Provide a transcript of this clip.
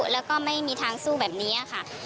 แล้วก็ไม่มีทางสู้แบบนี้ค่ะ